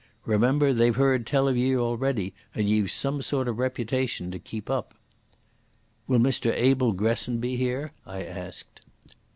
Remember they've heard tell o' ye already, and ye've some sort o' reputation to keep up." "Will Mr Abel Gresson be here?" I asked.